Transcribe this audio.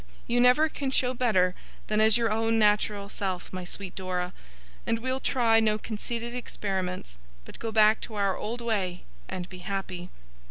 You never can show better than as your own natural self, my sweet Dora; and we'll try no conceited experiments, but go back to our old way, and be happy.